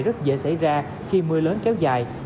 rất dễ xảy ra khi mưa lớn kéo dài